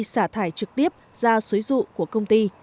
xả thải trực tiếp ra suối rụ của công ty